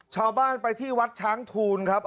ชาวบ้านไปที่วัดช้างทูลครับ